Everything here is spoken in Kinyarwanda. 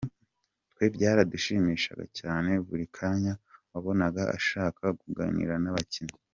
Twe byaradushimishaga cyane, buri kanya wabonaga ashaka kuganira n’abakinnyi.